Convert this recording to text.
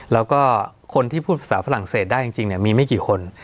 แล้วก็คนที่พูดภาษาฝรั่งเศสได้จริงมีไม่กี่คน